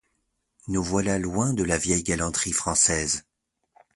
Nous voilà loin de la vieille galanterie française.